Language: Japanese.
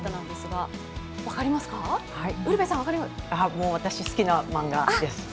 もう私好きな漫画です。